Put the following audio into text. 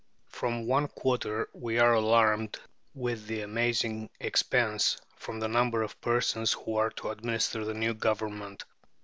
From one quarter we are alarmed with the amazing expense, from the number of persons who are to administer the new government.